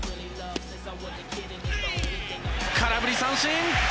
空振り三振！